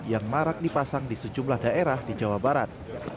yang marak dipasang di sejumlah daerah di jawa barat